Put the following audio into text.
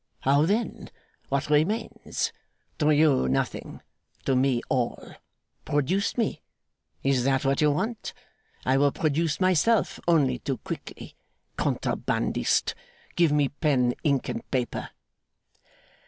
How then? What remains? To you, nothing; to me, all. Produce me! Is that what you want? I will produce myself, only too quickly. Contrabandist! Give me pen, ink, and paper.